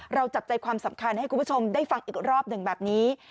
เราจับใจความสำคัญให้คุณผู้ชมได้ฟังอีกรอบหนึ่งแบบนี้